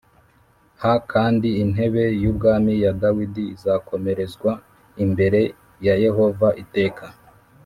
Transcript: H Kandi Intebe Y Ubwami Ya Dawidi Izakomerezwa Imbere Yayehova Iteka